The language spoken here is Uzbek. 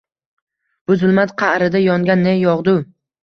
Bu zulmat qa’rida yongan ne yog’du